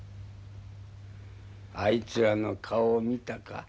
あいつらの顔を見たか？